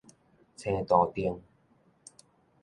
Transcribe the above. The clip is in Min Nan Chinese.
青杜定